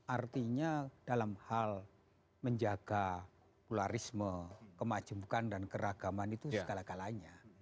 artinya dalam hal menjaga popularisme kemajemukan dan keragaman itu segala galanya